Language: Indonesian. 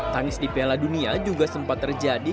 tangis di piala dunia juga sempat terjadi